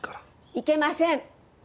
いけません！